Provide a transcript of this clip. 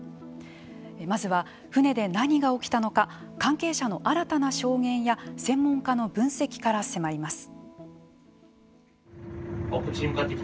まずは、船で何が起きたのか関係者の新たな証言や専門家の分析から迫ります。